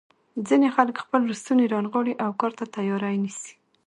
ځینې خلک خپل لستوڼي رانغاړي او کار ته تیاری نیسي.